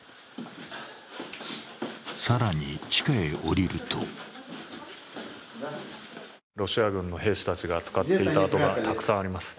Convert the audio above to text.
更に地下へ降りるとロシア軍の兵士たちが使っていた跡がたくさんあります。